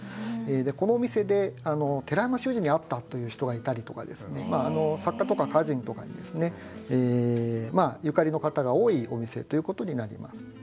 このお店で寺山修司に会ったという人がいたりとか作家とか歌人とかにですねゆかりの方が多いお店ということになります。